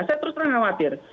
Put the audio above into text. saya terus terang khawatir